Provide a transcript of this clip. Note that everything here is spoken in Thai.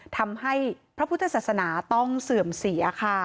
ทำให้พระพุทธศาสนาต้องเสื่อมเสียค่ะ